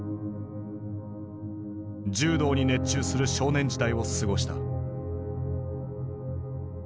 柔道に熱中する少年時代を過ごした。